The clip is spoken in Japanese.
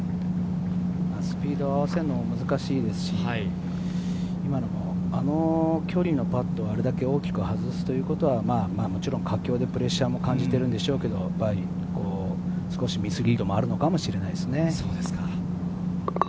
スピードを合わせるのが難しいですし、あの距離のパットをあれだけ大きく外すということは、佳境でプレッシャーも感じているでしょうけれど、少しミスリードもあるのかもしれないですね。